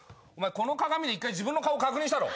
この鏡で１回自分の顔確認したろ？